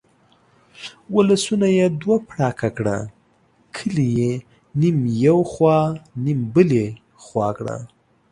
ولسونه یې دوه پړکه کړه، کلي یې نیم یو خوا نیم بلې خوا کړه.